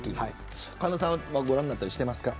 神田さんはご覧になったりしてますか。